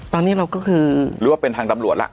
ตอนนี้เราก็คือหรือว่าเป็นทางตำรวจแล้ว